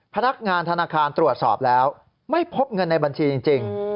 พนักงานธนาคารตรวจสอบแล้วไม่พบเงินในบัญชีจริง